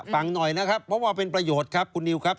ฟังหน่อยนะครับเพราะว่าเป็นประโยชน์ครับคุณนิวครับ